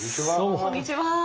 こんにちは。